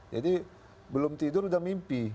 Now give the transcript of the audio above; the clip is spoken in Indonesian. jadi belum tidur udah mimpi